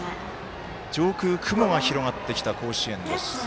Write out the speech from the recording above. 上空、雲が広がってきた甲子園です。